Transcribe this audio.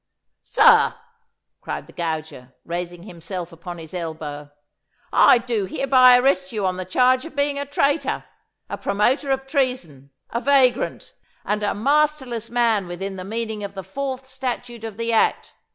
'Sir,' cried the gauger, raising himself upon his elbow, 'I do hereby arrest you on the charge of being a traitor, a promoter of treason, a vagrant, and a masterless man within the meaning of the fourth statute of the Act.